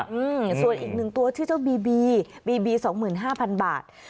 อืมส่วนอีกหนึ่งตัวชื่อเจ้าบีบีสองหมื่นห้าพันบาท